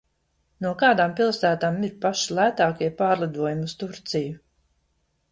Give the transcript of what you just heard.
No kādām pilsētām ir paši lētākie pārlidojumi uz Turcija?